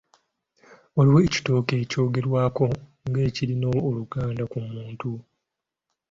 Waliwo ekitooke ekyogerwako ng'ekirina oluganda ku muntu.